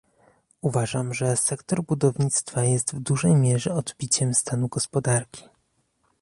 Uważam, że sektor budownictwa jest w dużej mierze odbiciem stanu gospodarki